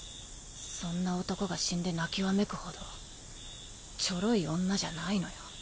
そんな男が死んで泣きわめくほどチョロい女じゃないのよ。